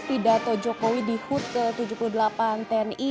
tidak toh jokowi dihut ke tujuh puluh delapan tni